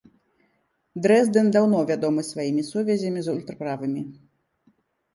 Дрэздэн даўно вядомы сваімі сувязямі з ультраправымі.